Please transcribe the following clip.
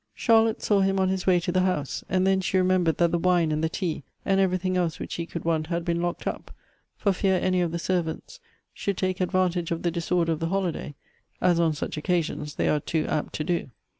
Charlotte saw him on his way to the house, and then she remembered that the wine and the tea, and every thing else which he could want, had been locked up, for fear any of the servants should take advantage of the disorder of the holiday, as on such occasions they are too apt to do.